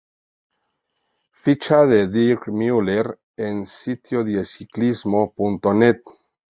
Ficha de Dirk Müller en sitiodeciclismo.net